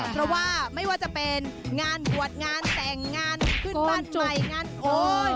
เพราะว่าไม่ว่าจะเป็นงานบวชงานแต่งงานขึ้นบ้านใหม่งานโอ๊ย